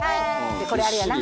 これあれやな。